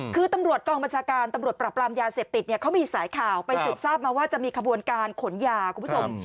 คือตำรวจกองบัญชาการตำรวจปรับรามยาเสพติดเนี่ยเขามีสายข่าวไปสืบทราบมาว่าจะมีขบวนการขนยาคุณผู้ชม